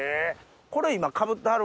これ今かぶってはる